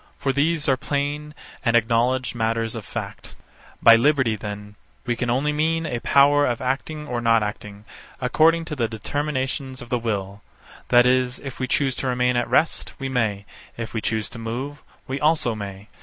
For these are plain and acknowledged matters of fact. By liberty, then, we can only mean a power of acting or not acting, according to the determinations of the will; that is, if we choose to remain at rest, we may; if we choose to move, we also may.